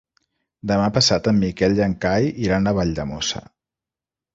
Demà passat en Miquel i en Cai iran a Valldemossa.